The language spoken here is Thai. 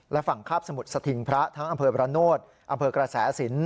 และฝั่งคาบสมุทรสถิงพระทั้งอำเภอบรรโนธอำเภอกระแสสิน